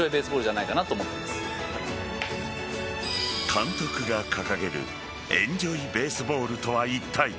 監督が掲げるエンジョイ・ベースボールとはいったい。